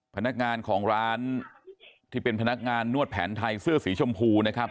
พนักงานของร้านที่เป็นพนักงานนวดแผนไทยเสื้อสีชมพูนะครับ